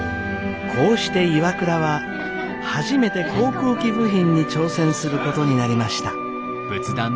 こうしてＩＷＡＫＵＲＡは初めて航空機部品に挑戦することになりました。